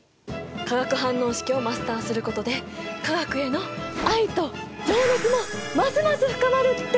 化学反応式をマスターすることで化学への愛と情熱もますます深まるってものよ！